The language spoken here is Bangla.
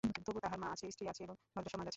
তবু তাহার মা আছে, স্ত্রী আছে এবং ভদ্রসমাজ আছে।